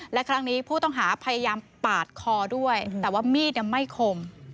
และครั้งนี้ผู้ต้องหาพยายามปาดคอด้วยแต่ว่ามีดไม่คม